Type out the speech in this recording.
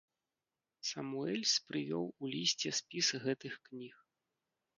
Самуэльс прывёў у лісце спіс гэтых кніг.